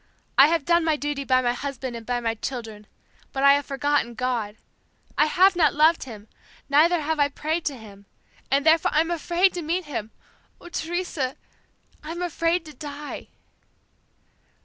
I have done my duty by my husband and by my children, but I have forgotten God. I have not loved Him, neither have I prayed to Him and therefore I'm afraid to meet Him. Oh, Teresa, I'm afraid to die."